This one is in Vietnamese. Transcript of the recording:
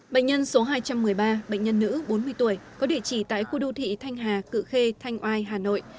bệnh nhân số hai trăm một mươi ba bệnh nhân nữ bốn mươi tuổi có địa chỉ tại khu đô thị thanh hà cự khê thanh oai hà nội